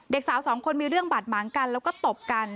สาวสองคนมีเรื่องบาดหมางกันแล้วก็ตบกัน